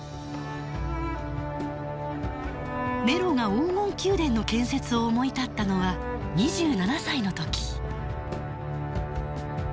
ネロが黄金宮殿の建設を思い立ったのは２７歳の時。